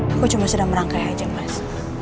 aku cuma sedang merangkai aja mas